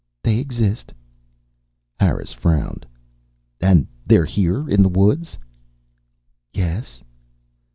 "They exist." Harris frowned. "And they're here, in the woods?" "Yes."